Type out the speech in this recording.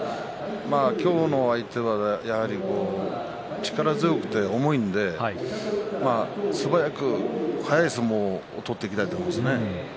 今日の相手はやはり力強くて重いので素早く、速い相撲を取っていきたいですね。